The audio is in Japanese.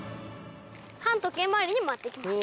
反時計回りに回っていきます。